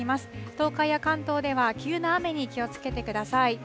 東海や関東では急な雨に気をつけてください。